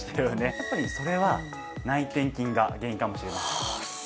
やっぱりそれは内転筋が原因かもしれません。